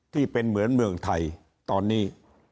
ที่เป็นเหมือนเมืองไทยตอนนี้